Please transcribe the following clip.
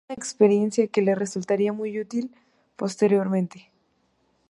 Adquirió una experiencia que le resultaría muy útil posteriormente.